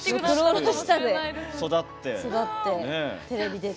育って、テレビ、出て。